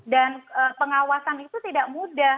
dan pengawasan itu tidak mudah